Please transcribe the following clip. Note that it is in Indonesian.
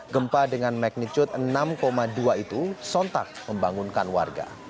gempa dengan magnitude enam dua itu sontak membangunkan warga